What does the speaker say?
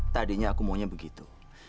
tadinya aku maunya begitu